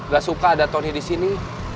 gak suka ada tony di sini